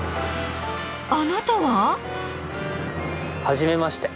あなたは？はじめまして。